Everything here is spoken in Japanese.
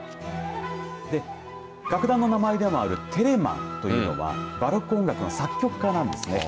楽団の名前でもあるテレマンというのはバロック音楽の作曲家なんですね。